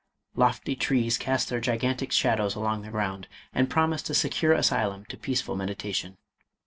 Lofty trees cast their gi gantic shadows along the ground, and promised a se cure asylum to peaceful meditation.